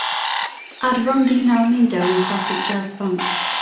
add rondine al nido in Classic Jazz Funk